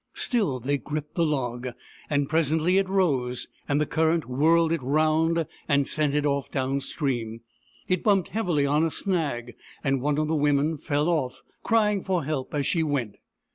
Still they gripped the log, and presently it rose, and the current whirled it round and sent it off down stream. It bumped heavily on a snag, and one of the women fell off, crying for help as she went.